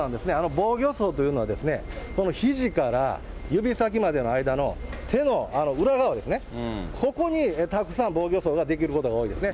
防御創というのはですね、このひじから指先までの間の手の裏側ですね、ここにたくさん防御創が出来ることが多いんですね。